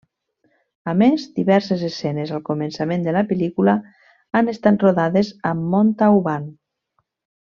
A més, diverses escenes al començament de la pel·lícula han estat rodades a Montauban.